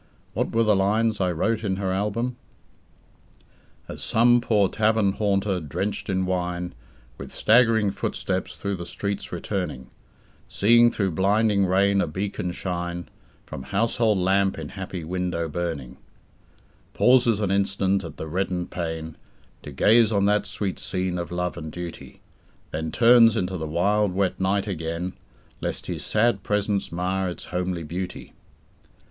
What were the lines I wrote in her album? "As some poor tavern haunter drenched in wine With staggering footsteps through the streets returning, Seeing through blinding rain a beacon shine From household lamp in happy window burning, "Pauses an instant at the reddened pane To gaze on that sweet scene of love and duty, Then turns into the wild wet night again, Lest his sad presence mar its homely beauty."